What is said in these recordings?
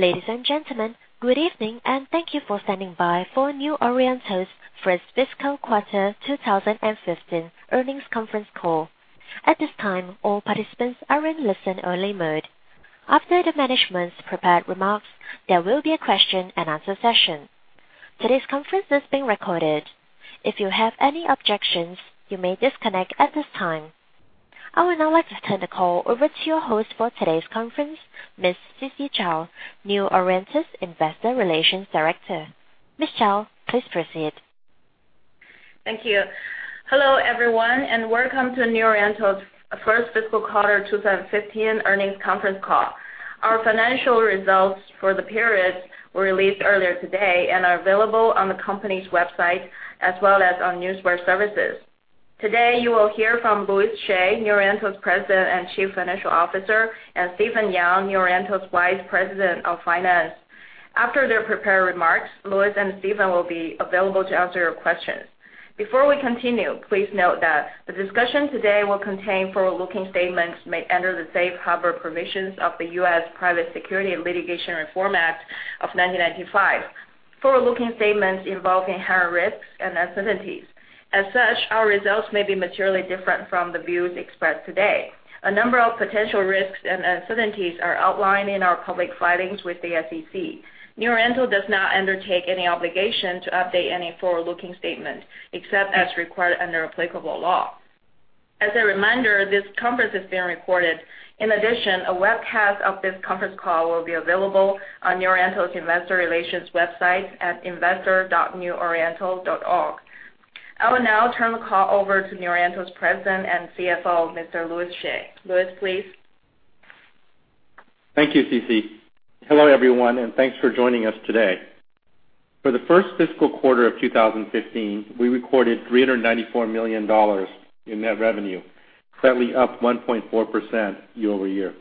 Ladies and gentlemen, good evening and thank you for standing by for New Oriental's first fiscal quarter 2015 earnings conference call. At this time, all participants are in listen only mode. After the management's prepared remarks, there will be a question and answer session. Today's conference is being recorded. If you have any objections, you may disconnect at this time. I would now like to turn the call over to your host for today's conference, Ms. Sisi Zhao, New Oriental's Investor Relations Director. Ms. Zhao, please proceed. Thank you. Hello, everyone, and welcome to New Oriental's first fiscal quarter 2015 earnings conference call. Our financial results for the period were released earlier today and are available on the company's website as well as on Newswire services. Today, you will hear from Louis Hsieh, New Oriental's President and Chief Financial Officer, and Stephen Yang, New Oriental's Vice President of Finance. After their prepared remarks, Louis and Stephen will be available to answer your questions. Before we continue, please note that the discussion today will contain forward-looking statements made under the safe harbor provisions of the U.S. Private Securities Litigation Reform Act of 1995. Forward-looking statements involve inherent risks and uncertainties. As such, our results may be materially different from the views expressed today. A number of potential risks and uncertainties are outlined in our public filings with the SEC. New Oriental does not undertake any obligation to update any forward-looking statement, except as required under applicable law. As a reminder, this conference is being recorded. In addition, a webcast of this conference call will be available on New Oriental's investor relations website at investor.neworiental.org. I will now turn the call over to New Oriental's President and CFO, Mr. Louis Hsieh. Louis, please. Thank you, Sisi. Hello, everyone, and thanks for joining us today. For the first fiscal quarter of 2015, we recorded $394 million in net revenue, slightly up 1.4% year-over-year.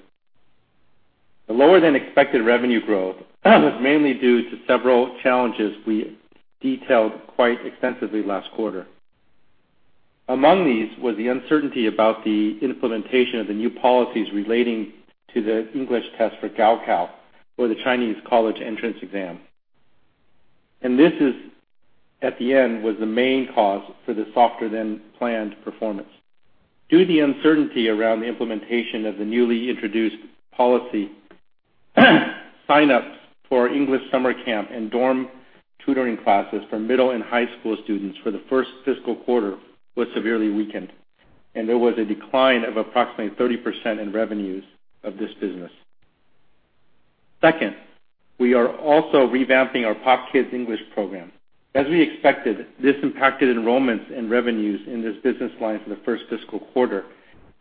The lower than expected revenue growth was mainly due to several challenges we detailed quite extensively last quarter. Among these was the uncertainty about the implementation of the new policies relating to the English test for Gaokao for the Chinese college entrance exam. This, at the end, was the main cause for the softer than planned performance. Due to the uncertainty around the implementation of the newly introduced policy sign-ups for our English summer camp and dorm tutoring classes for middle and high school students for the first fiscal quarter were severely weakened, and there was a decline of approximately 30% in revenues of this business. Second, we are also revamping our POP Kids English program. As we expected, this impacted enrollments and revenues in this business line for the first fiscal quarter,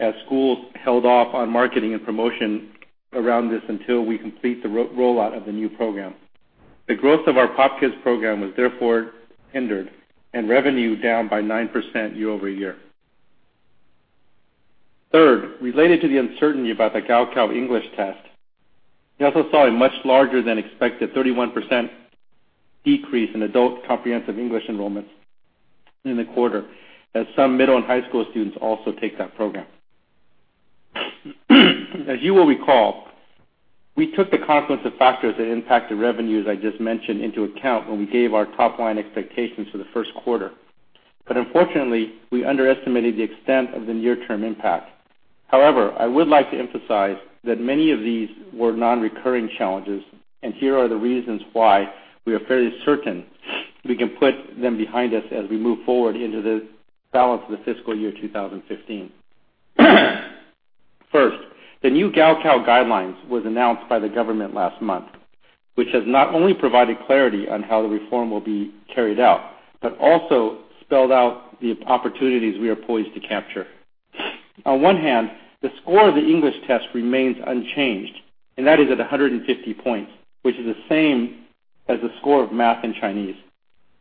as schools held off on marketing and promotion around this until we complete the rollout of the new program. The growth of our POP Kids program was therefore hindered and revenue down by 9% year-over-year. Third, related to the uncertainty about the Gaokao English test, we also saw a much larger than expected 31% decrease in adult comprehensive English enrollments in the quarter as some middle and high school students also take that program. As you will recall, we took the confluence of factors that impacted revenues I just mentioned into account when we gave our top-line expectations for the first quarter. But unfortunately, we underestimated the extent of the near-term impact. However, I would like to emphasize that many of these were non-recurring challenges, and here are the reasons why we are fairly certain we can put them behind us as we move forward into the balance of the fiscal year 2015. First, the new Gaokao guidelines was announced by the government last month, which has not only provided clarity on how the reform will be carried out, but also spelled out the opportunities we are poised to capture. On one hand, the score of the English test remains unchanged, and that is at 150 points, which is the same as the score of Math and Chinese.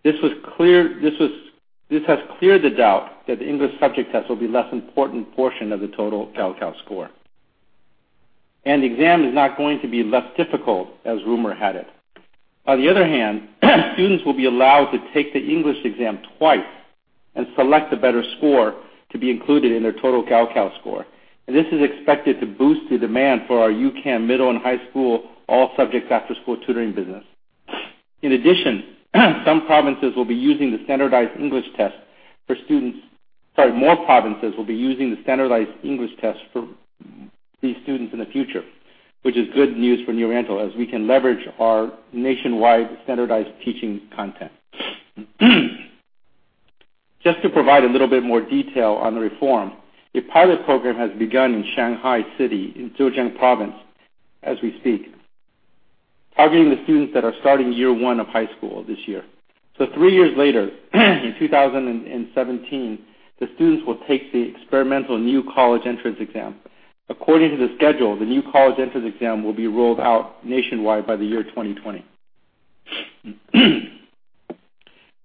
This has cleared the doubt that the English subject test will be less important portion of the total Gaokao score. And the exam is not going to be less difficult as rumor had it. On the other hand, students will be allowed to take the English exam twice and select a better score to be included in their total Gaokao score, and this is expected to boost the demand for our U-Can middle and high school all-subjects after-school tutoring business. In addition, some provinces will be using the standardized English test for students. More provinces will be using the standardized English test for these students in the future, which is good news for New Oriental as we can leverage our nationwide standardized teaching content. Just to provide a little bit more detail on the reform. A pilot program has begun in Shanghai City, in Zhejiang Province, as we speak, targeting the students that are starting year 1 of high school this year. So 3 years later, in 2017, the students will take the experimental new college entrance exam. According to the schedule, the new college entrance exam will be rolled out nationwide by the year 2020.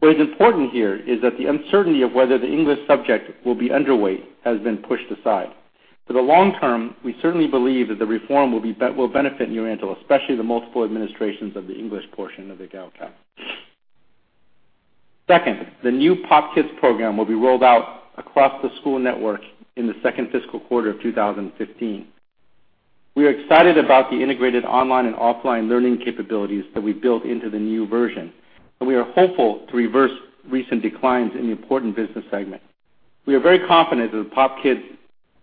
What is important here is that the uncertainty of whether the English subject will be underweight has been pushed aside. For the long term, we certainly believe that the reform will benefit New Oriental, especially the multiple administrations of the English portion of the Gaokao. Second, the new POP Kids program will be rolled out across the school network in the second fiscal quarter of 2015. We are excited about the integrated online and offline learning capabilities that we built into the new version, and we are hopeful to reverse recent declines in the important business segment. We are very confident that the POP Kids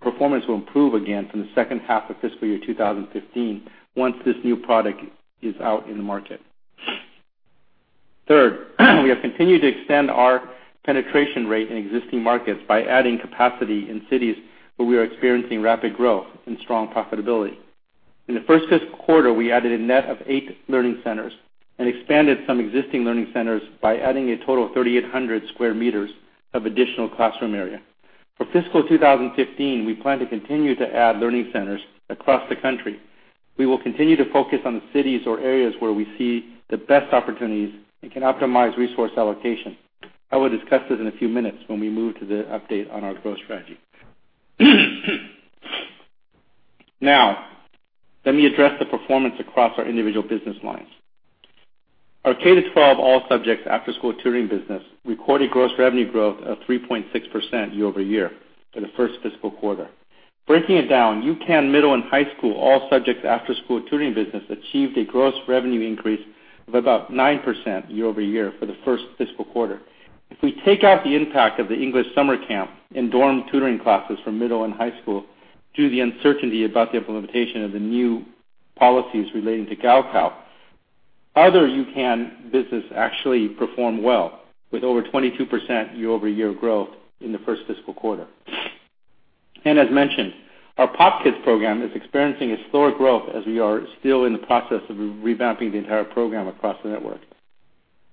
performance will improve again from the second half of fiscal year 2015, once this new product is out in the market. Third, we have continued to extend our penetration rate in existing markets by adding capacity in cities where we are experiencing rapid growth and strong profitability. In the first fiscal quarter, we added a net of eight learning centers and expanded some existing learning centers by adding a total of 3,800 sq m of additional classroom area. For fiscal 2015, we plan to continue to add learning centers across the country. We will continue to focus on the cities or areas where we see the best opportunities and can optimize resource allocation. I will discuss this in a few minutes when we move to the update on our growth strategy. Let me address the performance across our individual business lines. Our K-12 all subjects after-school tutoring business recorded gross revenue growth of 3.6% year-over-year for the first fiscal quarter. Breaking it down, U-Can middle and high school all subjects after-school tutoring business achieved a gross revenue increase of about 9% year-over-year for the first fiscal quarter. If we take out the impact of the English summer camp and dorm tutoring classes from middle and high school, due to the uncertainty about the implementation of the new policies relating to Gaokao, other U-Can business actually perform well with over 22% year-over-year growth in the first fiscal quarter. As mentioned, our POP Kids program is experiencing a slower growth as we are still in the process of revamping the entire program across the network.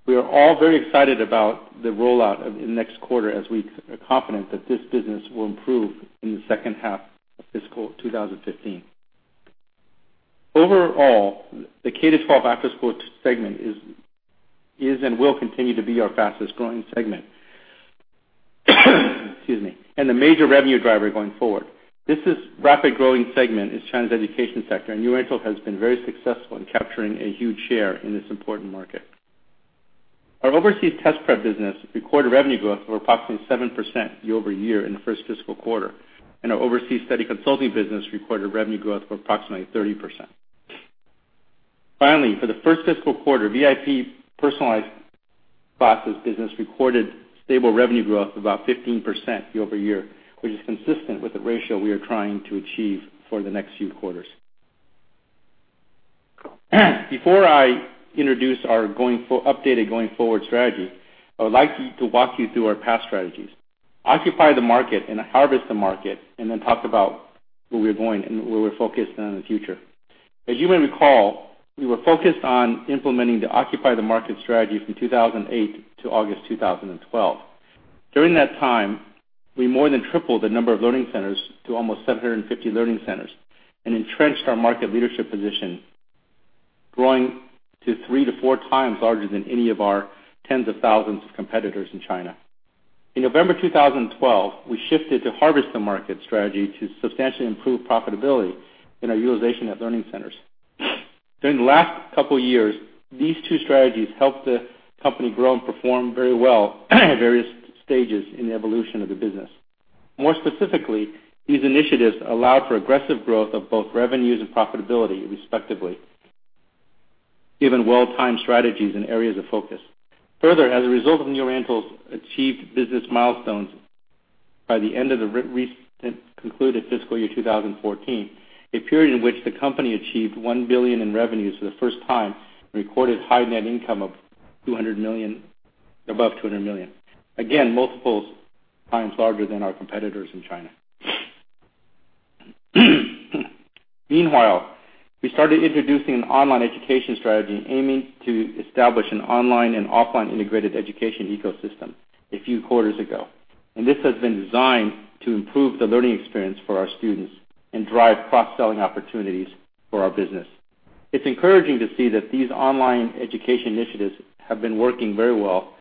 We are all very excited about the rollout in the next quarter, as we are confident that this business will improve in the second half of fiscal 2015. Overall, the K-12 after-school segment is and will continue to be our fastest-growing segment and a major revenue driver going forward. This rapid growing segment is China's education sector, and New Oriental has been very successful in capturing a huge share in this important market. Our overseas test prep business recorded revenue growth of approximately 7% year-over-year in the first fiscal quarter, and our overseas study consulting business recorded revenue growth of approximately 30%. Finally, for the first fiscal quarter, VIP personalized classes business recorded stable revenue growth of about 15% year-over-year, which is consistent with the ratio we are trying to achieve for the next few quarters. Before I introduce our updated going forward strategy, I would like to walk you through our past strategies, Occupy the Market and Harvest the Market, and then talk about where we're going and where we're focused on in the future. As you may recall, we were focused on implementing the Occupy the Market strategy from 2008 to August 2012. During that time, we more than tripled the number of learning centers to almost 750 learning centers and entrenched our market leadership position, growing to three to four times larger than any of our tens of thousands of competitors in China. In November 2012, we shifted to Harvest the Market strategy to substantially improve profitability and our utilization of learning centers. During the last couple of years, these two strategies helped the company grow and perform very well at various stages in the evolution of the business. More specifically, these initiatives allowed for aggressive growth of both revenues and profitability, respectively, given well-timed strategies and areas of focus. Further, as a result of New Oriental's achieved business milestones by the end of the recent concluded fiscal year 2014, a period in which the company achieved $1 billion in revenues for the first time and recorded high net income of above $200 million. Again, multiples times larger than our competitors in China. Meanwhile, we started introducing an online education strategy aiming to establish an online and offline integrated education ecosystem a few quarters ago. This has been designed to improve the learning experience for our students and drive cross-selling opportunities for our business. It's encouraging to see that these online education initiatives have been working very well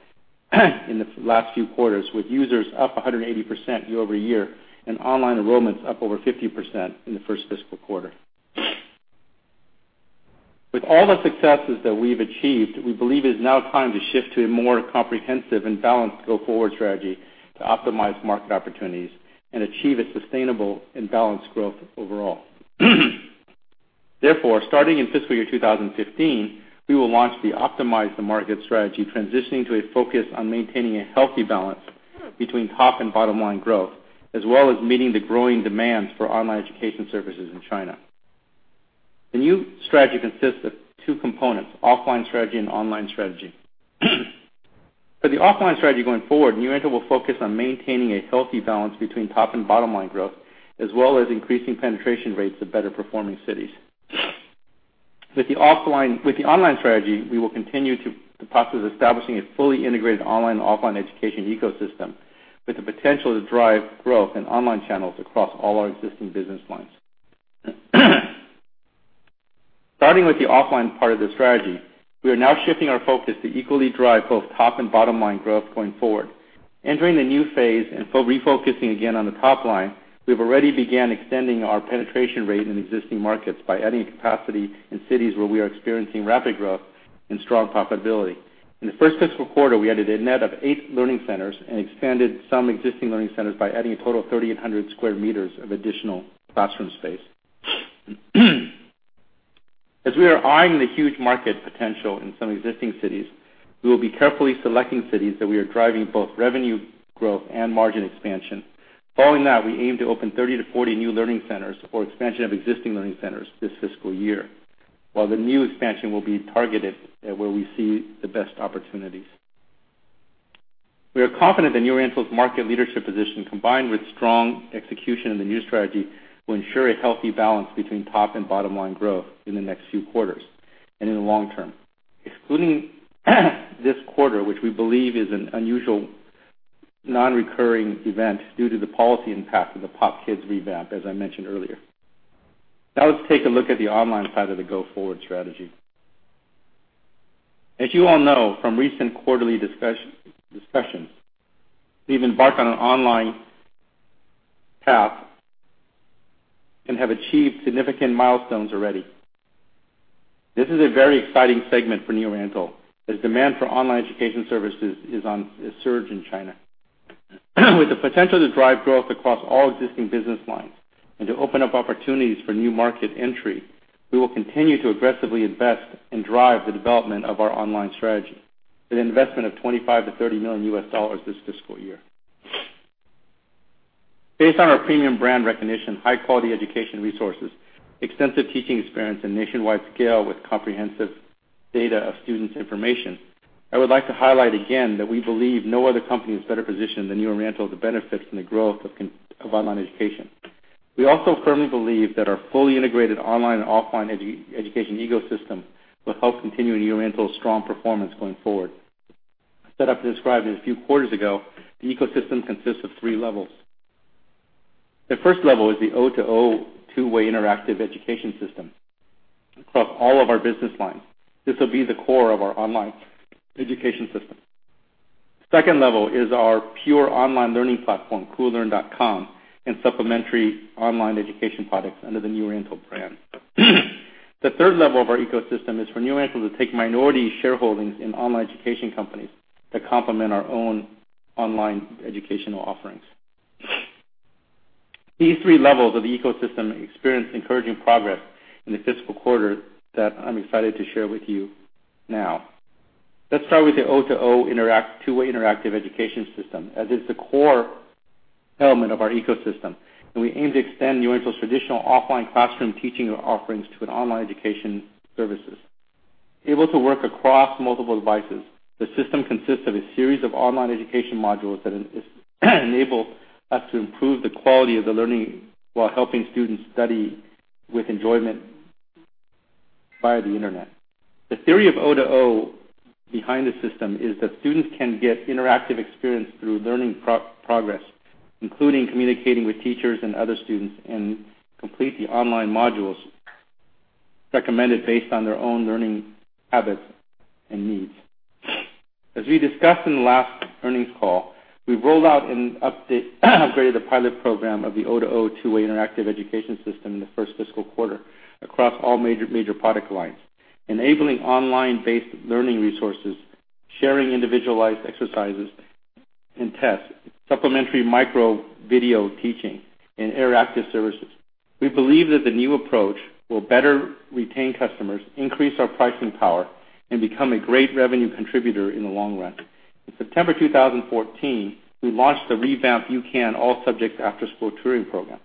in the last few quarters, with users up 180% year-over-year and online enrollments up over 50% in the first fiscal quarter. With all the successes that we've achieved, we believe it is now time to shift to a more comprehensive and balanced go-forward strategy to optimize market opportunities and achieve a sustainable and balanced growth overall. Therefore, starting in fiscal year 2015, we will launch the Optimize the Market strategy, transitioning to a focus on maintaining a healthy balance between top and bottom-line growth, as well as meeting the growing demands for online education services in China. The new strategy consists of two components, offline strategy and online strategy. For the offline strategy going forward, New Oriental will focus on maintaining a healthy balance between top and bottom-line growth, as well as increasing penetration rates of better-performing cities. With the online strategy, we will continue the process of establishing a fully integrated online and offline education ecosystem with the potential to drive growth in online channels across all our existing business lines. Starting with the offline part of the strategy, we are now shifting our focus to equally drive both top and bottom-line growth going forward. Entering the new phase and refocusing again on the top line, we've already began extending our penetration rate in existing markets by adding capacity in cities where we are experiencing rapid growth and strong profitability. In the first fiscal quarter, we added a net of eight learning centers and expanded some existing learning centers by adding a total of 3,800 sq m of additional classroom space. As we are eyeing the huge market potential in some existing cities, we will be carefully selecting cities that we are driving both revenue growth and margin expansion. Following that, we aim to open 30 to 40 new learning centers or expansion of existing learning centers this fiscal year, while the new expansion will be targeted at where we see the best opportunities. We are confident that New Oriental's market leadership position, combined with strong execution of the new strategy, will ensure a healthy balance between top and bottom-line growth in the next few quarters and in the long term, excluding this quarter, which we believe is an unusual non-recurring event due to the policy impact of the POP Kids revamp, as I mentioned earlier. Now let's take a look at the online side of the go-forward strategy. As you all know from recent quarterly discussions, we've embarked on an online path and have achieved significant milestones already. This is a very exciting segment for New Oriental, as demand for online education services is on the surge in China. With the potential to drive growth across all existing business lines and to open up opportunities for new market entry, we will continue to aggressively invest and drive the development of our online strategy with an investment of $25 million-$30 million this fiscal year. Based on our premium brand recognition, high-quality education resources, extensive teaching experience, and nationwide scale with comprehensive data of students' information, I would like to highlight again that we believe no other company is better positioned than New Oriental to benefit from the growth of online education. We also firmly believe that our fully integrated online and offline education ecosystem will help continue New Oriental's strong performance going forward. As set up described a few quarters ago, the ecosystem consists of 3 levels. The first level is the O2O two-way interactive education system across all of our business lines. This will be the core of our online education system. The second level is our pure online learning platform, koolearn.com, and supplementary online education products under the New Oriental brand. The third level of our ecosystem is for New Oriental to take minority shareholdings in online education companies that complement our own online educational offerings. These 3 levels of the ecosystem experienced encouraging progress in the fiscal quarter that I'm excited to share with you now. Let's start with the O2O two-way interactive education system, as it's the core element of our ecosystem, and we aim to extend New Oriental's traditional offline classroom teaching offerings to online education services. Able to work across multiple devices, the system consists of a series of online education modules that enable us to improve the quality of the learning while helping students study with enjoyment via the internet. The theory of O2O behind the system is that students can get interactive experience through learning progress, including communicating with teachers and other students, and complete the online modules recommended based on their own learning habits and needs. As we discussed in the last earnings call, we've rolled out an updated graded pilot program of the O2O two-way interactive education system in the first fiscal quarter across all major product lines, enabling online-based learning resources, sharing individualized exercises and tests, supplementary micro video teaching, and interactive services. We believe that the new approach will better retain customers, increase our pricing power, and become a great revenue contributor in the long run. In September 2014, we launched the revamped U-Can all-subject after-school tutoring program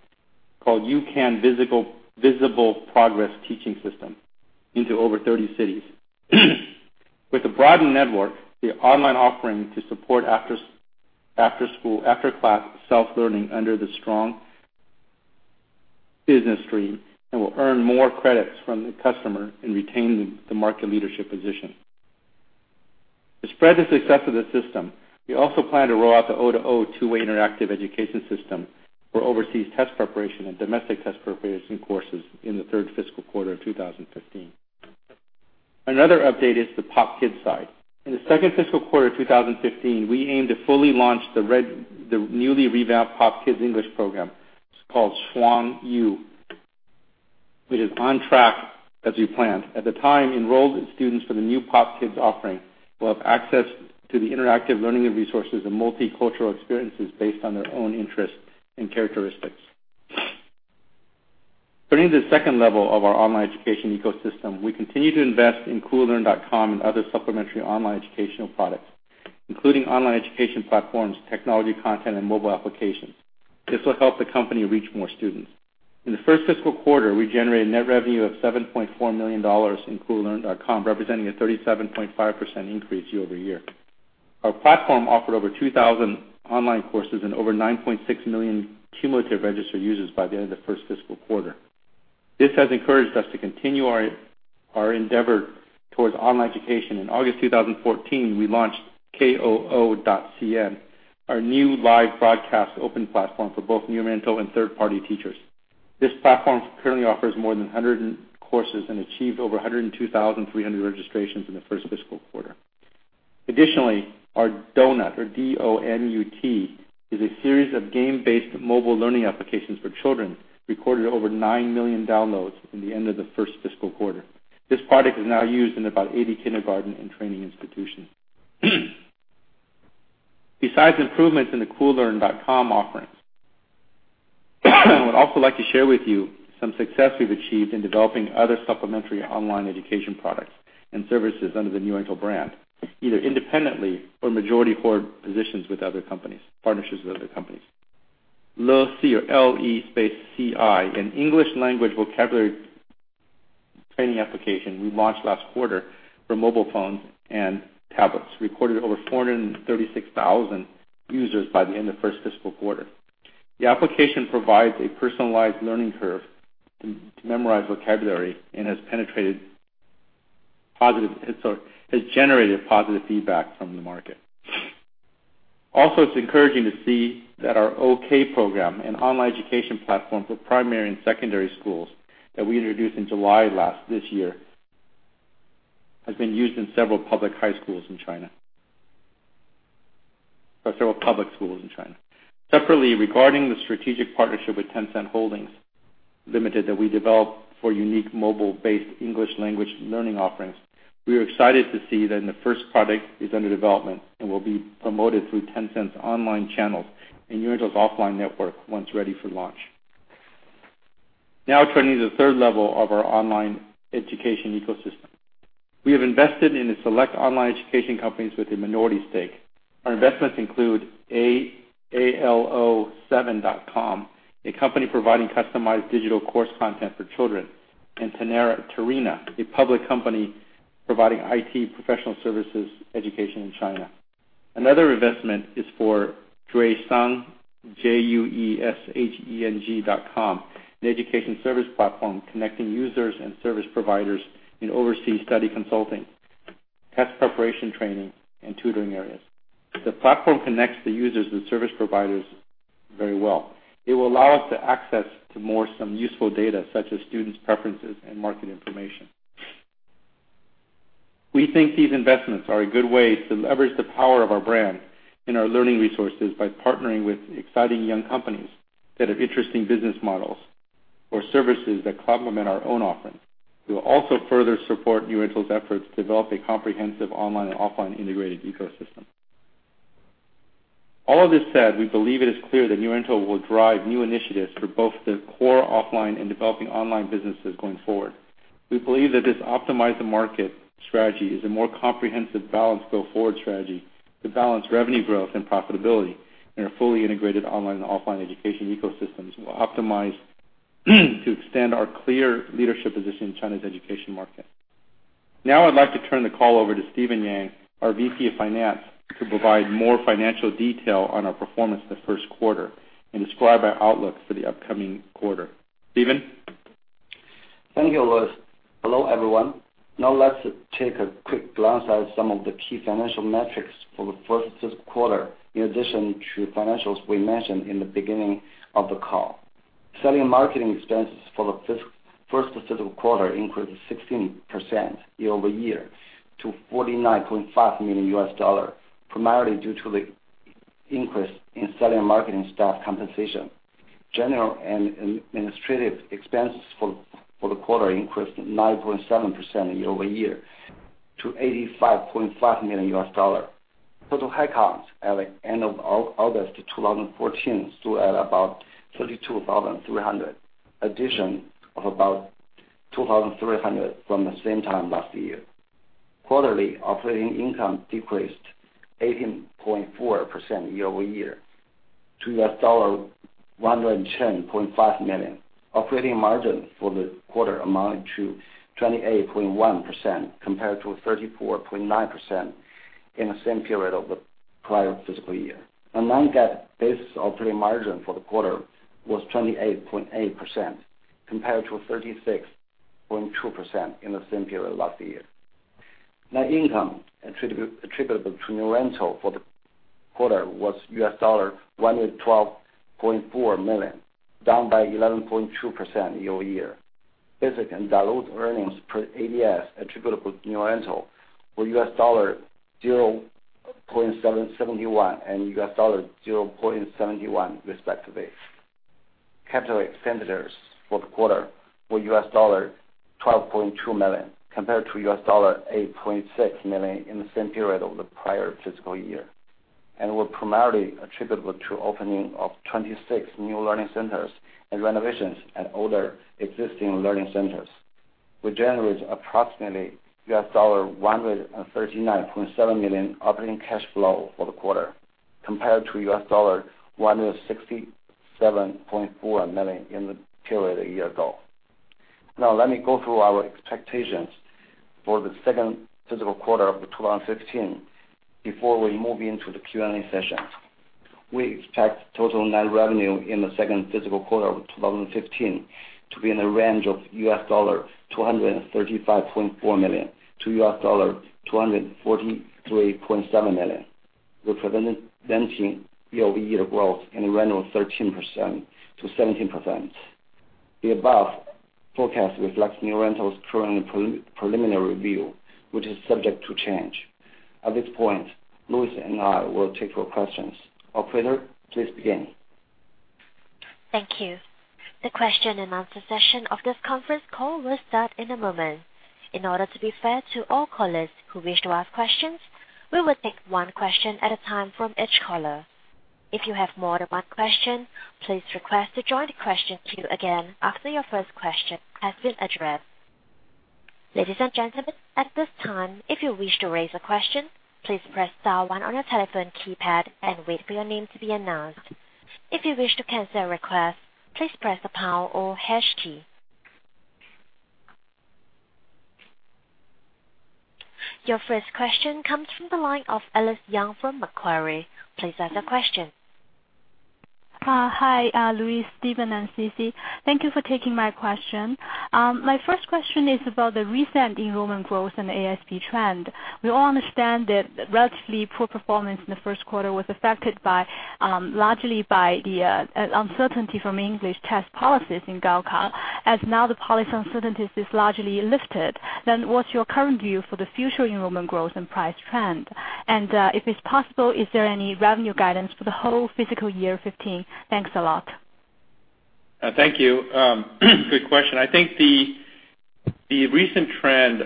called You Can Visible Progress Teaching System into over 30 cities. With a broadened network, the online offering to support after-class self-learning under the strong business stream and will earn more credits from the customer and retain the market leadership position. To spread the success of the system, we also plan to roll out the O2O two-way interactive education system for overseas test preparation and domestic test preparation courses in the third fiscal quarter of 2015. Another update is the POP Kids side. In the second fiscal quarter of 2015, we aim to fully launch the newly revamped POP Kids English program. It's called Shuangyu, which is on track as we planned. At the time, enrolled students for the new POP Kids offering will have access to the interactive learning resources and multicultural experiences based on their own interests and characteristics. Turning to the second level of our online education ecosystem, we continue to invest in Koolearn.com and other supplementary online educational products, including online education platforms, technology content, and mobile applications. This will help the company reach more students. In the first fiscal quarter, we generated net revenue of $7.4 million in Koolearn.com, representing a 37.5% increase year-over-year. Our platform offered over 2,000 online courses and over 9.6 million cumulative registered users by the end of the first fiscal quarter. This has encouraged us to continue our endeavor towards online education. In August 2014, we launched Koo.com, our new live broadcast open platform for both New Oriental and third-party teachers. This platform currently offers more than 100 courses and achieved over 102,300 registrations in the first fiscal quarter. Additionally, our DONUT, or D-O-N-U-T, is a series of game-based mobile learning applications for children, recorded over 9 million downloads in the end of the first fiscal quarter. This product is now used in about 80 kindergarten and training institutions. Besides improvements in the Koolearn.com offerings, I would also like to share with you some success we've achieved in developing other supplementary online education products and services under the New Oriental brand, either independently or majority positions with other companies, partnerships with other companies. Le Ci, or L-E C-I, an English language vocabulary training application we launched last quarter for mobile phones and tablets, recorded over 436,000 users by the end of the first fiscal quarter. The application provides a personalized learning curve to memorize vocabulary and has generated positive feedback from the market. Also, it's encouraging to see that our OK Program, an online education platform for primary and secondary schools that we introduced in July this year, has been used in several public high schools in China, or several public schools in China. Separately, regarding the strategic partnership with Tencent Holdings Limited that we developed for unique mobile-based English language learning offerings, we are excited to see that the first product is under development and will be promoted through Tencent's online channels and New Oriental's offline network once ready for launch. Now turning to the third level of our online education ecosystem. We have invested in select online education companies with a minority stake. Our investments include ALO7.com, a company providing customized digital course content for children, and Tarena, a public company providing IT professional services education in China. Another investment is for Juesheng, J-U-E-S-H-E-N-G.com, an education service platform connecting users and service providers in overseas study consulting, test preparation training, and tutoring areas. The platform connects the users and service providers very well. It will allow us to access to more some useful data, such as students' preferences and market information. We think these investments are a good way to leverage the power of our brand and our learning resources by partnering with exciting young companies that have interesting business models or services that complement our own offerings. We will also further support New Oriental's efforts to develop a comprehensive online and offline integrated ecosystem. All this said, we believe it is clear that New Oriental will drive new initiatives for both the core offline and developing online businesses going forward. We believe that this optimize the market strategy is a more comprehensive, balanced go-forward strategy to balance revenue growth and profitability in our fully integrated online and offline education ecosystems. We'll optimize to extend our clear leadership position in China's education market. Now I'd like to turn the call over to Stephen Yang, our VP of Finance, to provide more financial detail on our performance the first quarter and describe our outlook for the upcoming quarter. Stephen? Thank you, Louis. Hello, everyone. Now let's take a quick glance at some of the key financial metrics for the first fiscal quarter, in addition to financials we mentioned in the beginning of the call. Selling marketing expenses for the first fiscal quarter increased 16% year-over-year to $49.5 million, primarily due to the increase in selling marketing staff compensation. General and administrative expenses for the quarter increased 9.7% year-over-year to $85.5 million. Total head counts at the end of August 2014 stood at about 32,300, addition of about 2,300 from the same time last year. Quarterly operating income decreased 18.4% year-over-year to $110.5 million. Operating margin for the quarter amounted to 28.1% compared to 34.9% in the same period of the prior fiscal year. The non-GAAP-based operating margin for the quarter was 28.8% compared to 36.2% in the same period last year. Net income attributable to New Oriental for the quarter was $112.4 million, down by 11.2% year-over-year. Basic and diluted earnings per ADS attributable to New Oriental were $0.71 and $0.71 respectively. Capital expenditures for the quarter were $12.2 million compared to $8.6 million in the same period of the prior fiscal year and were primarily attributable to opening of 26 new learning centers and renovations at older existing learning centers. We generated approximately $139.7 million operating cash flow for the quarter compared to $167.4 million in the period a year ago. Now let me go through our expectations for the second fiscal quarter of 2015 before we move into the Q&A session. We expect total net revenue in the second fiscal quarter of 2015 to be in the range of $235.4 million-$243.7 million. Representing year-over-year growth and revenue of 13%-17%. The above forecast reflects New Oriental's current preliminary review, which is subject to change. At this point, Louis and I will take your questions. Operator, please begin. Thank you. The question and answer session of this conference call will start in a moment. In order to be fair to all callers who wish to ask questions, we will take one question at a time from each caller. If you have more than one question, please request to join the question queue again after your first question has been addressed. Ladies and gentlemen, at this time, if you wish to raise a question, please press star one on your telephone keypad and wait for your name to be announced. If you wish to cancel a request, please press the pound or hash key. Your first question comes from the line of Alice Yang from Macquarie. Please ask the question. Hi, Louis, Stephen, and Sisi. Thank you for taking my question. My first question is about the recent enrollment growth and ASP trend. We all understand that relatively poor performance in the first quarter was affected largely by the uncertainty from English test policies in Gaokao. What's your current view for the future enrollment growth and price trend? If it's possible, is there any revenue guidance for the whole fiscal year 2015? Thanks a lot. Thank you. Good question. I think the recent trend,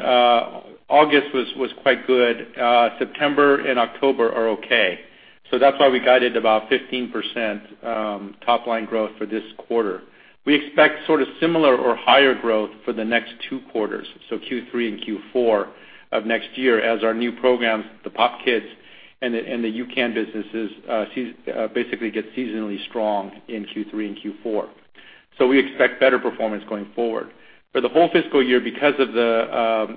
August was quite good. September and October are okay. That's why we guided about 15% top-line growth for this quarter. We expect sort of similar or higher growth for the next two quarters, so Q3 and Q4 of next year as our new programs, the POP Kids and the U-Can businesses, basically get seasonally strong in Q3 and Q4. We expect better performance going forward. For the whole fiscal year because of the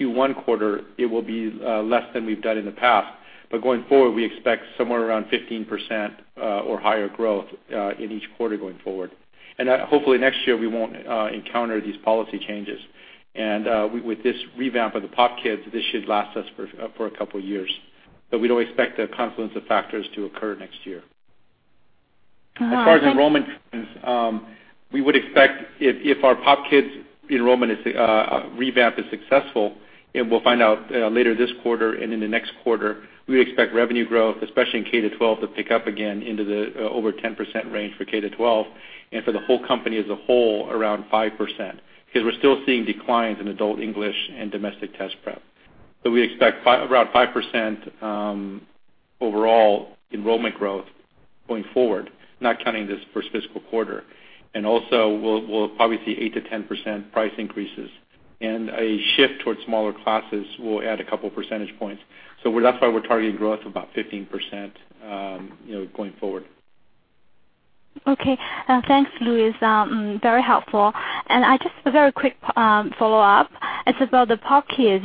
Q1 quarter, it will be less than we've done in the past. Going forward, we expect somewhere around 15% or higher growth, in each quarter going forward. Hopefully next year we won't encounter these policy changes. With this revamp of the POP Kids, this should last us for a couple of years. We don't expect a confluence of factors to occur next year. As far as enrollment trends, we would expect if our POP Kids enrollment revamp is successful, and we'll find out later this quarter and in the next quarter, we expect revenue growth, especially in K-12, to pick up again into the over 10% range for K-12 and for the whole company as a whole around 5%, because we're still seeing declines in adult English and domestic test prep. We expect around 5% overall enrollment growth going forward, not counting this first fiscal quarter. Also we'll probably see 8%-10% price increases and a shift towards smaller classes will add a couple percentage points. So that's why we're targeting growth of about 15% going forward. Okay. Thanks, Louis. Very helpful. Just a very quick follow-up. It's about the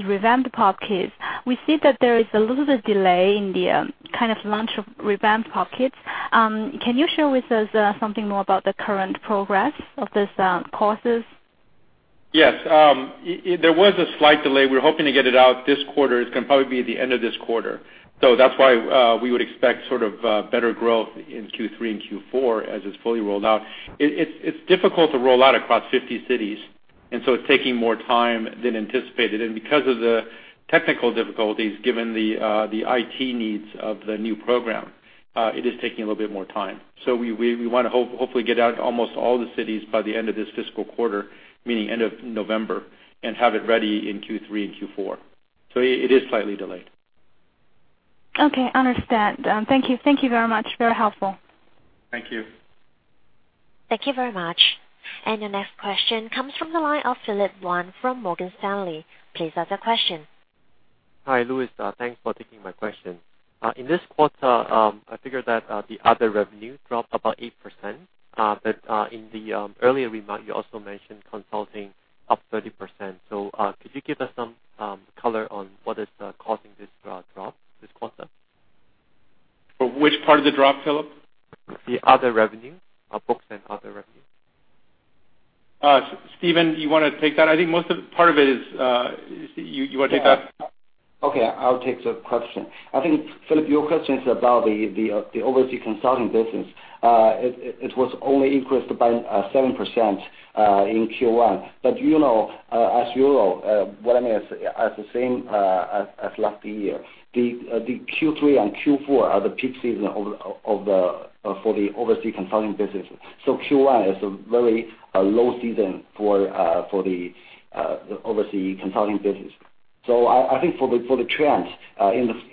revamped POP Kids. We see that there is a little bit of delay in the kind of launch of revamped POP Kids. Can you share with us something more about the current progress of these courses? Yes. There was a slight delay. We were hoping to get it out this quarter. It's going to probably be at the end of this quarter. So that's why we would expect sort of better growth in Q3 and Q4 as it's fully rolled out. It's difficult to roll out across 50 cities, and so it's taking more time than anticipated. And because of the technical difficulties, given the IT needs of the new program, it is taking a little bit more time. So we want to hopefully get out almost all the cities by the end of this fiscal quarter, meaning end of November, and have it ready in Q3 and Q4. So it is slightly delayed. Okay, understand. Thank you. Thank you very much. Very helpful. Thank you. Thank you very much. Your next question comes from the line of Philip Wan from Morgan Stanley. Please ask the question. Hi, Louis. Thanks for taking my question. In this quarter, I figure that the other revenue dropped about 8%, in the earlier remark, you also mentioned consulting up 30%. Could you give us some color on what is causing this drop this quarter? Which part of the drop, Philip? The other revenue. Books and other revenue. Stephen, do you want to take that? You want to take that? Okay, I'll take the question. I think, Philip, your question is about the overseas consulting business. It was only increased by 7% in Q1. As you know, what I mean is, as the same as last year, the Q3 and Q4 are the peak season for the overseas consulting business. Q1 is a very low season for the overseas consulting business. I think for the trends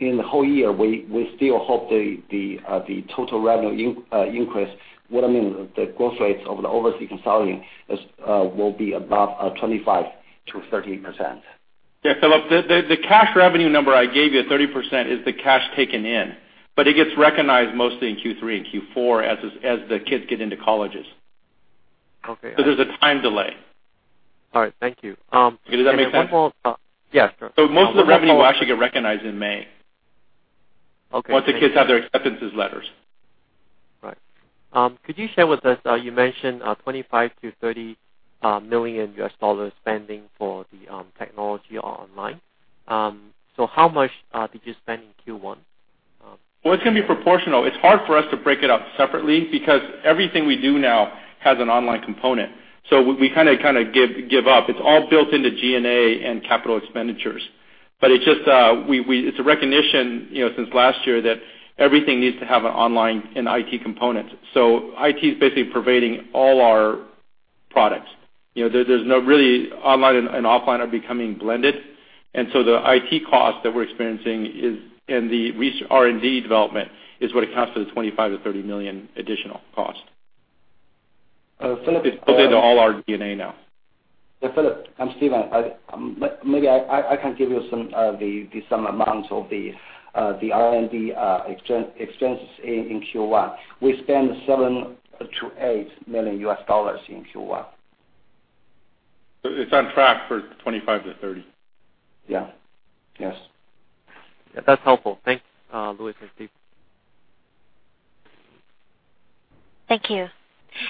in the whole year, we still hope the total revenue increase, what I mean, the growth rates of the overseas consulting will be above 25%-30%. Yeah. Philip, the cash revenue number I gave you, 30%, is the cash taken in, it gets recognized mostly in Q3 and Q4 as the kids get into colleges. Okay. there's a time delay. All right, thank you. Does that make sense? One more. Yeah, sure. Most of the revenue will actually get recognized in May. Okay. Once the kids have their acceptance letters. Right. Could you share with us, you mentioned $25 million-$30 million spending for the technology online. How much did you spend in Q1? Well, it's going to be proportional. It's hard for us to break it out separately because everything we do now has an online component. We kind of give up. It's all built into G&A and capital expenditures. It's a recognition, since last year that everything needs to have an online and IT component. IT is basically pervading all our products. Really, online and offline are becoming blended, the IT cost that we're experiencing and the R&D development is what accounts for the $25 million-$30 million additional cost. Philip- It's all our G&A now. Yeah, Philip, I'm Stephen. Maybe I can give you some amounts of the R&D expenses in Q1. We spent $7 million-$8 million in Q1. It's on track for $25-$30. Yeah. Yes. That's helpful. Thanks, Louis and Steve. Thank you.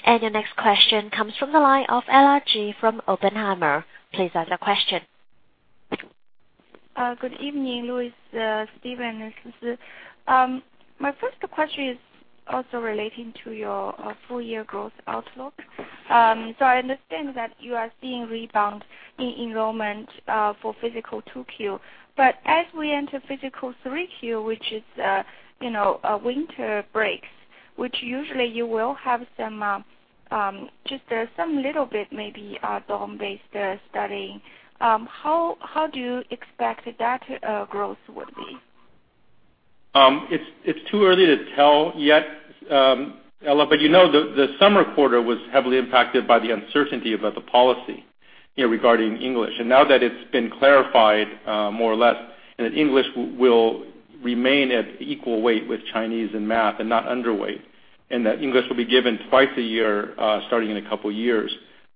Your next question comes from the line of Ella Ji from Oppenheimer. Please ask a question. Good evening, Louis, Steven. My first question is also relating to your full-year growth outlook. I understand that you are seeing rebound in enrollment for physical Q2, but as we enter physical Q3, which is winter breaks, which usually you will have just some little bit maybe dorm-based studying. How do you expect that growth would be? It's too early to tell yet, Ella, but the summer quarter was heavily impacted by the uncertainty about the policy regarding English. Now that it's been clarified more or less, and that English will remain at equal weight with Chinese and Math and not underweight, and that English will be given twice a year, starting in a couple of years,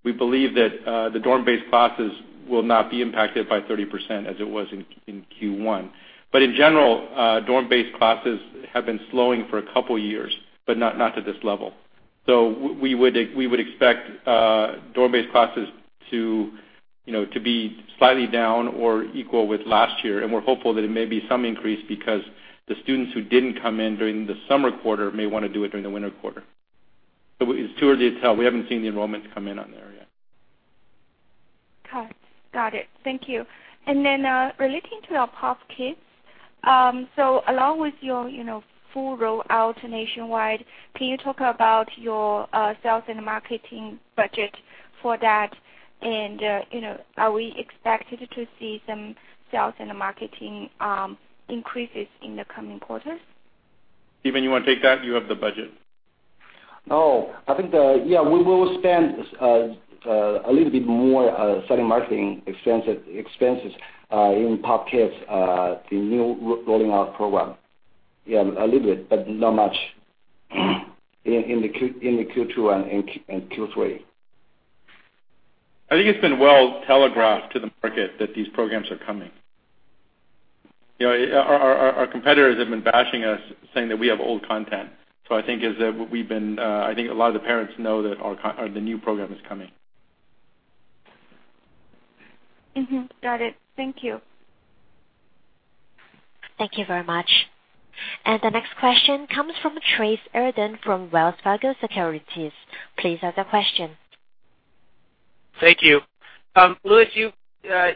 we believe that the dorm-based classes will not be impacted by 30% as it was in Q1. In general, dorm-based classes have been slowing for a couple of years, but not to this level. We would expect dorm-based classes to be slightly down or equal with last year, and we're hopeful that it may be some increase because the students who didn't come in during the summer quarter may want to do it during the winter quarter. It's too early to tell. We haven't seen the enrollment come in on there yet. Okay. Got it. Thank you. Relating to your POP Kids, along with your full rollout nationwide, can you talk about your sales and marketing budget for that? Are we expected to see some sales and marketing increases in the coming quarters? Stephen, you want to take that? You have the budget. I think, we will spend a little bit more selling marketing expenses in POP Kids, the new rolling out program. A little bit, but not much in the Q2 and Q3. I think it's been well telegraphed to the market that these programs are coming. Our competitors have been bashing us, saying that we have old content. I think a lot of the parents know that the new program is coming. Got it. Thank you. Thank you very much. The next question comes from Trace Urdan from Wells Fargo Securities. Please ask a question. Thank you. Louis,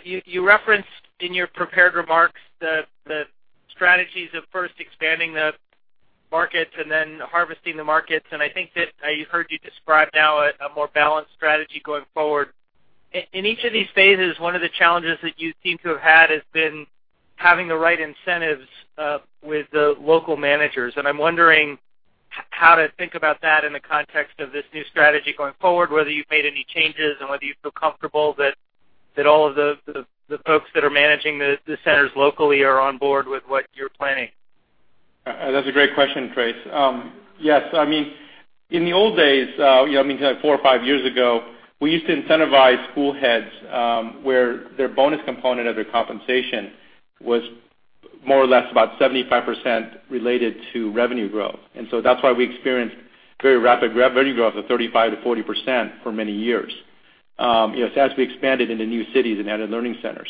you referenced in your prepared remarks the strategies of first expanding the markets then Harvest the Market, I think that I heard you describe now a more balanced strategy going forward. In each of these phases, one of the challenges that you seem to have had has been having the right incentives with the local managers. I'm wondering how to think about that in the context of this new strategy going forward, whether you've made any changes and whether you feel comfortable that all of the folks that are managing the centers locally are on board with what you're planning. That's a great question, Trace. Yes. In the old days, four or five years ago, we used to incentivize school heads where their bonus component of their compensation was more or less about 75% related to revenue growth. That's why we experienced very rapid revenue growth of 35%-40% for many years as we expanded into new cities and added learning centers.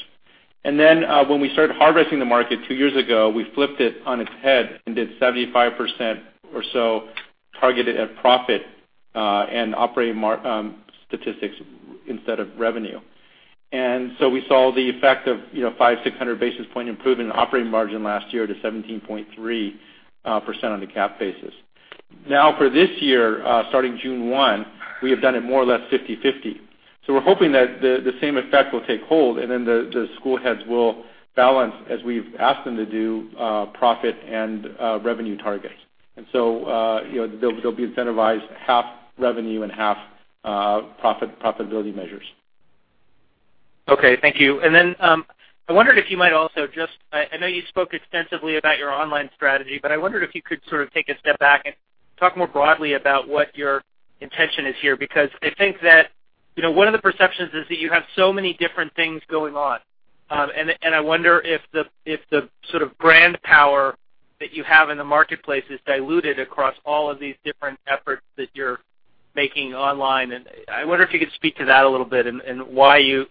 When we started Harvest the Market two years ago, we flipped it on its head and did 75% or so targeted at profit and operating statistics instead of revenue. We saw the effect of 500, 600 basis point improvement in operating margin last year to 17.3% on the GAAP basis. Now for this year, starting June 1, we have done it more or less 50/50. We're hoping that the same effect will take hold, the school heads will balance as we've asked them to do, profit and revenue targets. They'll be incentivized half revenue and half profitability measures. Okay. Thank you. I wondered if you might also just. I know you spoke extensively about your online strategy, I wondered if you could sort of take a step back and talk more broadly about what your intention is here. I think that one of the perceptions is that you have so many different things going on. I wonder if the sort of brand power that you have in the marketplace is diluted across all of these different efforts that you're making online, I wonder if you could speak to that a little bit and why you've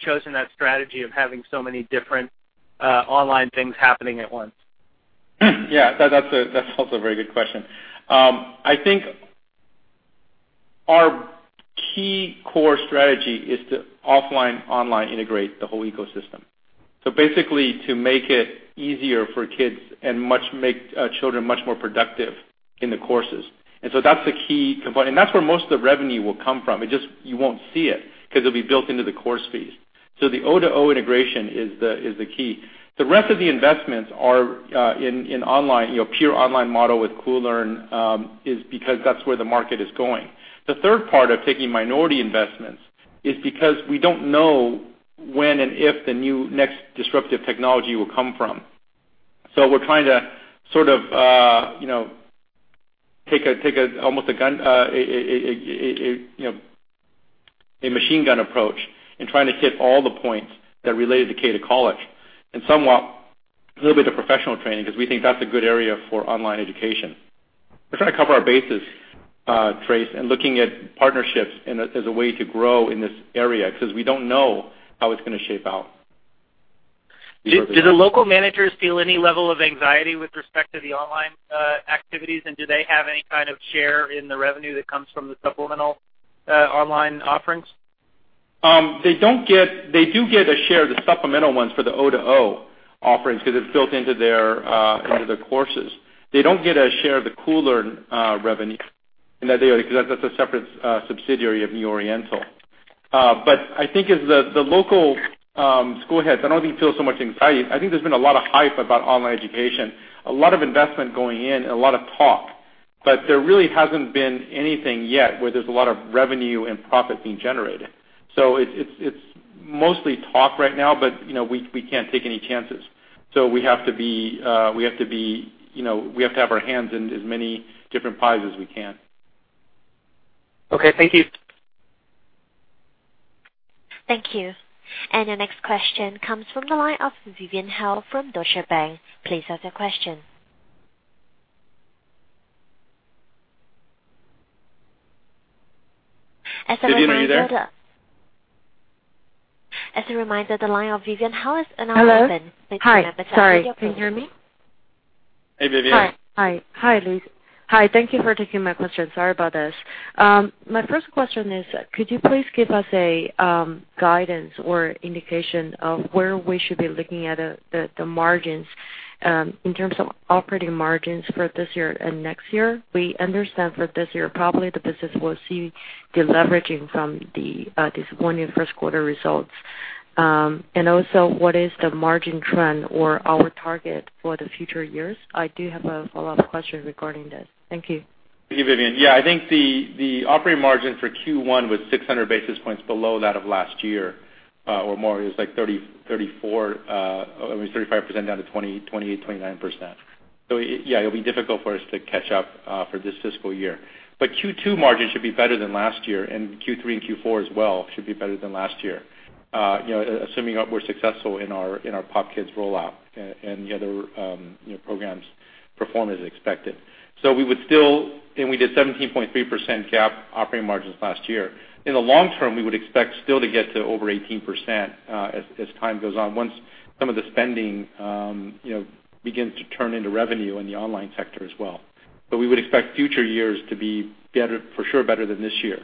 chosen that strategy of having so many different online things happening at once. Yeah. That's also a very good question. I think our key core strategy is to offline, online integrate the whole ecosystem. Basically, to make it easier for kids and make children much more productive in the courses. That's the key component, and that's where most of the revenue will come from. You won't see it because it'll be built into the course fees. The O2O integration is the key. The rest of the investments are in online, pure online model with Koolearn, is because that's where the market is going. The third part of taking minority investments is because we don't know when and if the new next disruptive technology will come from. We're trying to sort of take almost a machine gun approach in trying to hit all the points that relate to K to college, and somewhat a little bit of professional training because we think that's a good area for online education. We're trying to cover our bases, Trace, and looking at partnerships as a way to grow in this area, because we don't know how it's going to shape out. Do the local managers feel any level of anxiety with respect to the online activities, and do they have any kind of share in the revenue that comes from the supplemental online offerings? They do get a share of the supplemental ones for the O2O offerings because it's built into their courses. They don't get a share of the Koolearn revenue because that's a separate subsidiary of New Oriental. I think as the local school heads, I don't think they feel so much anxiety. I think there's been a lot of hype about online education, a lot of investment going in, and a lot of talk. There really hasn't been anything yet where there's a lot of revenue and profit being generated. It's mostly talk right now, but we can't take any chances. We have to have our hands in as many different pies as we can. Okay. Thank you. Thank you. Your next question comes from the line of Vivian Hao from Deutsche Bank. Please ask your question. Vivian, are you there? As a reminder, the line of Vivian Hao is now open. Hello. Please go ahead with your question. Hi, sorry. Can you hear me? Hey, Vivian. Hi, Louis. Hi, thank you for taking my question. Sorry about this. My first question is, could you please give us a guidance or indication of where we should be looking at the margins in terms of operating margins for this year and next year? We understand for this year, probably the business will see deleveraging from the disappointing first quarter results. Also, what is the margin trend or our target for the future years? I do have a follow-up question regarding this. Thank you. Thank you, Vivian. Yeah, I think the operating margin for Q1 was 600 basis points below that of last year. Or more, it was 35% down to 28%, 29%. Yeah, it'll be difficult for us to catch up for this fiscal year. Q2 margins should be better than last year, and Q3 and Q4 as well should be better than last year, assuming we're successful in our POP Kids rollout and the other programs perform as expected. We did 17.3% GAAP operating margins last year. In the long term, we would expect still to get to over 18% as time goes on, once some of the spending begins to turn into revenue in the online sector as well. We would expect future years to be, for sure, better than this year.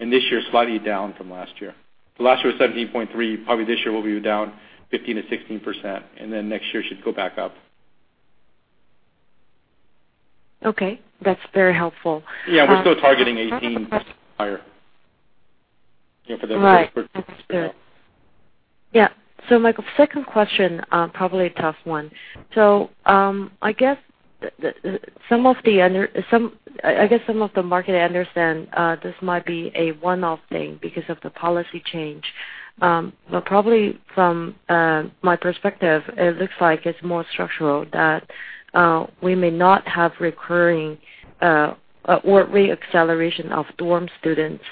This year is slightly down from last year. Last year was 17.3%, probably this year we'll be down 15%-16%, and then next year should go back up. Okay. That's very helpful. Yeah, we're still targeting 18% or higher for the fiscal year. Right. That's fair. Yeah. My second question, probably a tough one. I guess some of the market understand this might be a one-off thing because of the policy change. Probably from my perspective, it looks like it's more structural that we may not have recurring or re-acceleration of dorm students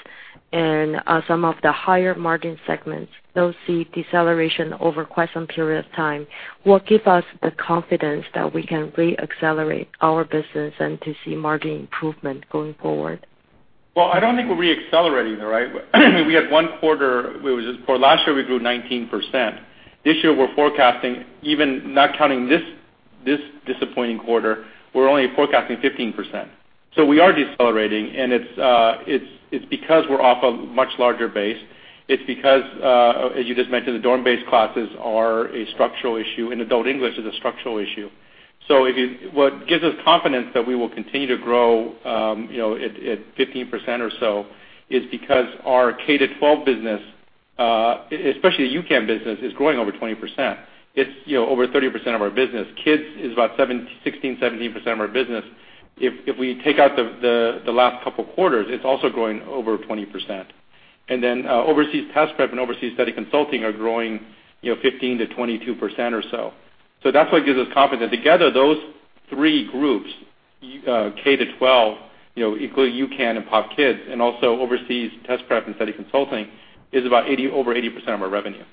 and some of the higher margin segments. They'll see deceleration over quite some period of time. What gives us the confidence that we can re-accelerate our business and to see margin improvement going forward? Well, I don't think we're re-accelerating, right? We had one quarter, for last year, we grew 19%. This year, we're forecasting, even not counting this disappointing quarter, we're only forecasting 15%. We are decelerating, and it's because we're off a much larger base. It's because, as you just mentioned, the dorm-based classes are a structural issue, and adult English is a structural issue. What gives us confidence that we will continue to grow at 15% or so is because our K-12 business, especially the U-Can business, is growing over 20%. It's over 30% of our business. Kids is about 16%, 17% of our business. If we take out the last couple of quarters, it's also growing over 20%. Overseas test prep and overseas study consulting are growing 15%-22% or so. That's what gives us confidence. Together, those three groups, K-12, including U-Can and POP Kids, and also overseas test prep and study consulting, is about over 80% of our revenue.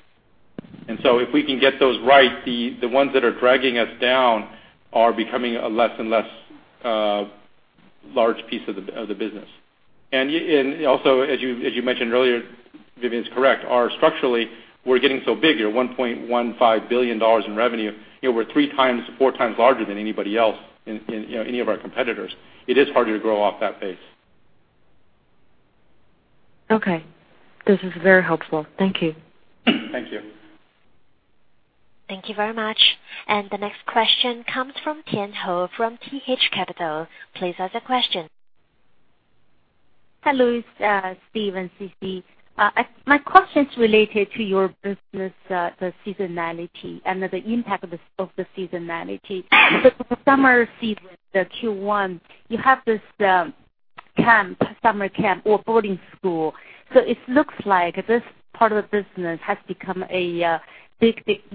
If we can get those right, the ones that are dragging us down are becoming a less and less large piece of the business. Also, as you mentioned earlier, Vivian Hao is correct. Structurally, we're getting so big, $1.15 billion in revenue, we're three times, four times larger than anybody else, any of our competitors. It is harder to grow off that base. Okay. This is very helpful. Thank you. Thank you. Thank you very much. The next question comes from Tian Hou from T.H. Capital. Please ask a question. Hello, Stephen and Sisi. My question is related to your business, the seasonality and the impact of the seasonality. For summer season, the Q1, you have this summer camp or boarding school. It looks like this part of the business has become a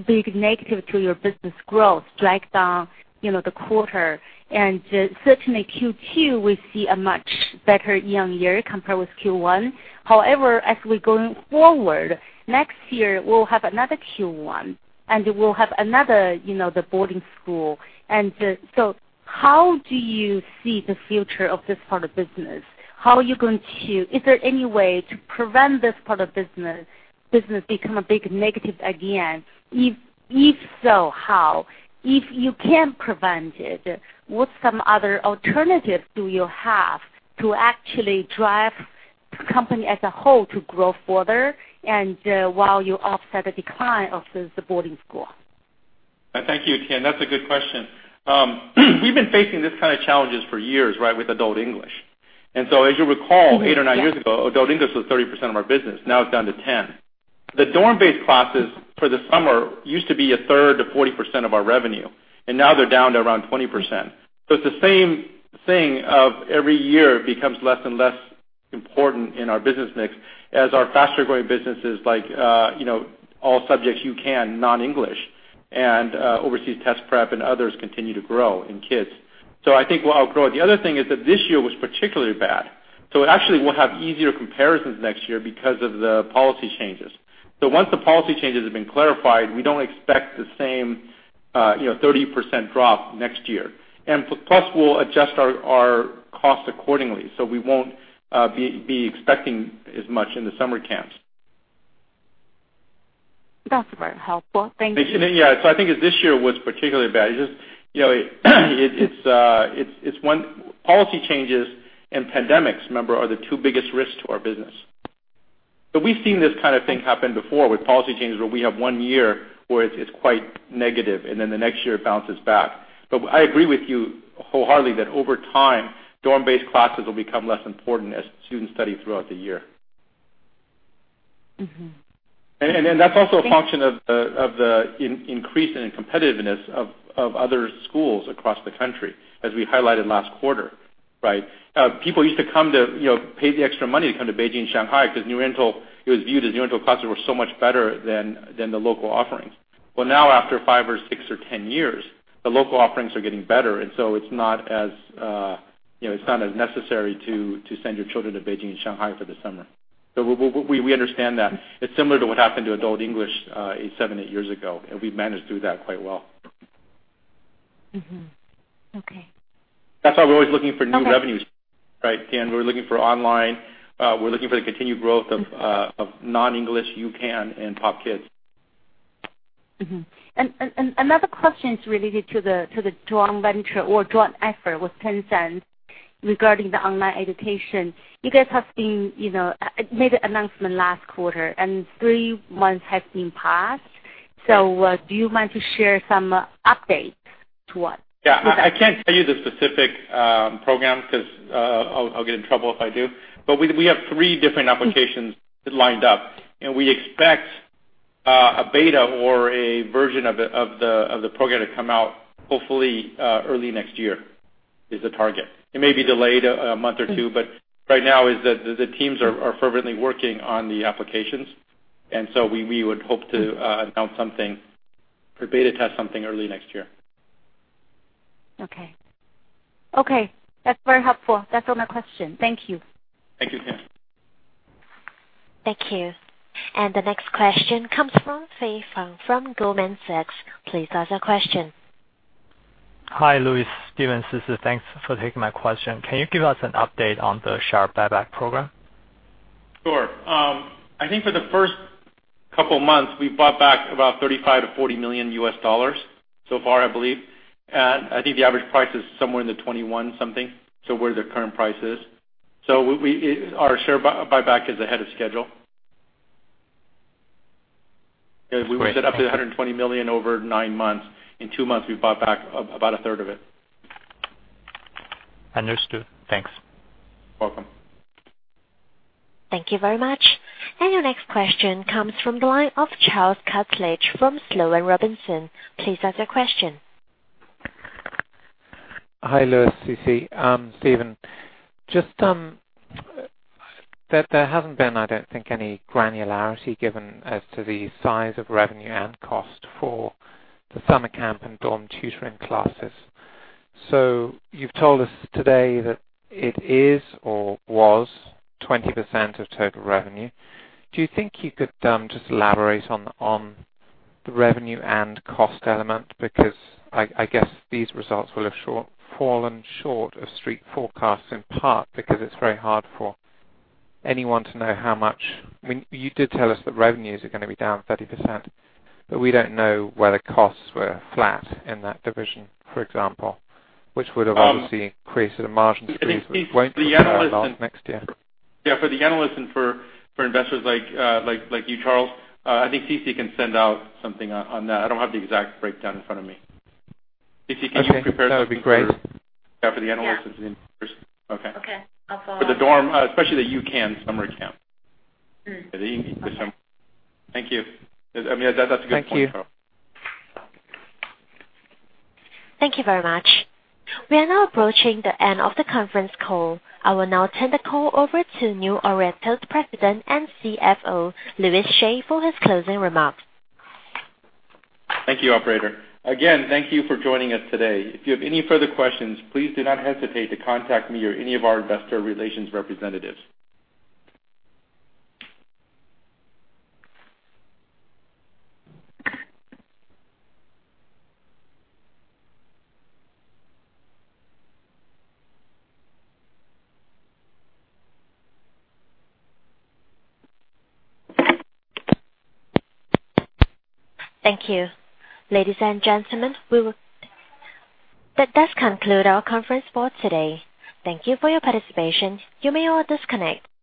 big negative to your business growth, dragged down the quarter. Certainly Q2, we see a much better year-over-year compared with Q1. However, as we're going forward, next year, we'll have another Q1, and we'll have another boarding school. How do you see the future of this part of business? Is there any way to prevent this part of business become a big negative again? If so, how? If you can't prevent it, what some other alternatives do you have to actually drive the company as a whole to grow further and while you offset the decline of the boarding school? Thank you, Tian Hou. That's a good question. We've been facing these kind of challenges for years with adult English. As you recall, 8 or 9 years ago, adult English was 30% of our business, now it's down to 10%. The dorm-based classes for the summer used to be a third to 40% of our revenue, and now they're down to around 20%. It's the same thing of every year, it becomes less and less important in our business mix as our faster-growing businesses like all subjects U-Can, non-English, and overseas test prep and others continue to grow in kids. I think we'll outgrow it. The other thing is that this year was particularly bad. Actually, we'll have easier comparisons next year because of the policy changes. Once the policy changes have been clarified, we don't expect the same 30% drop next year. Plus, we'll adjust our cost accordingly, so we won't be expecting as much in the summer camps. That's very helpful. Thank you. Yeah. I think this year was particularly bad. Policy changes and pandemics, remember, are the two biggest risks to our business. We've seen this kind of thing happen before with policy changes, where we have one year where it's quite negative, and then the next year it bounces back. I agree with you wholeheartedly that over time, dorm-based classes will become less important as students study throughout the year. That's also a function of the increase in competitiveness of other schools across the country, as we highlighted last quarter. People used to pay the extra money to come to Beijing and Shanghai because it was viewed as New Oriental classes were so much better than the local offerings. Well, now after five or six or 10 years, the local offerings are getting better, it's not as necessary to send your children to Beijing and Shanghai for the summer. We understand that. It's similar to what happened to adult English seven, eight years ago, and we've managed through that quite well. Okay. That's why we're always looking for new revenues, right, Tian? We're looking for online, we're looking for the continued growth of non-English U-Can and POP Kids. Another question is related to the joint venture or joint effort with Tencent regarding the online education. You guys made an announcement last quarter, and three months have been passed. Do you mind to share some updates to us? Yeah. I can't tell you the specific program because I'll get in trouble if I do. We have three different applications lined up, and we expect a beta or a version of the program to come out hopefully early next year, is the target. It may be delayed a month or two, but right now is that the teams are fervently working on the applications, and we would hope to announce something or beta test something early next year. Okay. That's very helpful. That's all my question. Thank you. Thank you, Tian. Thank you. The next question comes from Fei Fang from Goldman Sachs. Please ask your question. Hi, Louis, Stephen, and Sisi. Thanks for taking my question. Can you give us an update on the share buyback program? Sure. I think for the first couple of months, we've bought back about $35 million-$40 million so far, I believe. The average price is somewhere in the $21 something, where their current price is. Our share buyback is ahead of schedule. Great. We set up to $120 million over nine months. In two months, we've bought back about a third of it. Understood. Thanks. Welcome. Thank you very much. Your next question comes from the line of Charles Cartledge from Sloane Robinson. Please ask your question. Hi, Louis, Sisi. Steven. There hasn't been, I don't think, any granularity given as to the size of revenue and cost for the summer camp and dorm tutoring classes. You've told us today that it is or was 20% of total revenue. Do you think you could just elaborate on the revenue and cost element? I guess these results will have fallen short of street forecasts, in part because it's very hard for anyone to know how much. You did tell us that revenues are going to be down 30%, we don't know whether costs were flat in that division, for example, which would have obviously created a margin squeeze which won't go down a lot next year. Yeah. For the analysts and for investors like you, Charles, I think Sisi can send out something on that. I don't have the exact breakdown in front of me. Sisi, can you prepare something- Okay. That would be great for the analysts and the investors? Yeah. Okay. Okay. I'll follow up. For the dorm, especially the U-Can summer camp. Okay. Thank you. That's a good point, Charles. Thank you. Thank you very much. We are now approaching the end of the conference call. I will now turn the call over to New Oriental's President and CFO, Louis Hsieh, for his closing remarks. Thank you, operator. Again, thank you for joining us today. If you have any further questions, please do not hesitate to contact me or any of our investor relations representatives. Thank you. Ladies and gentlemen, that does conclude our conference for today. Thank you for your participation. You may all disconnect.